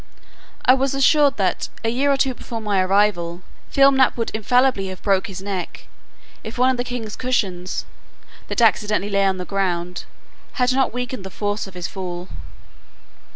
I was assured that, a year or two before my arrival, Flimnap would infallibly have broke his neck, if one of the king's cushions, that accidentally lay on the ground, had not weakened the force of his fall.